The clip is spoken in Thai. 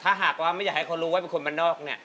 ถ้าหากว่าไม่อยากให้เขารู้ว่าเป็นคนบ้านนอกเนี่ย